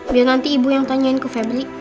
biar nanti ibu yang tanyain ke febri